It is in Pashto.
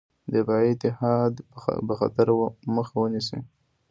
دفاعي اتحاد به خطر مخه ونیسي.